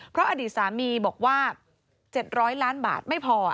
เพราะอดีตสามีบอกว่า๗๐๐ล้านบาทไม่พอ